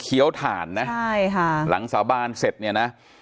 ถ่านนะใช่ค่ะหลังสาบานเสร็จเนี่ยนะ